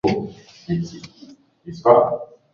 Mafuriko yalisababisha vifo vya watu kumi siku ya Jumapili